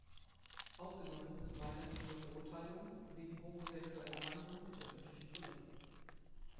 Ausgenommen sind weiterhin nur Verurteilungen wegen homosexueller Handlungen in öffentlichen Toiletten.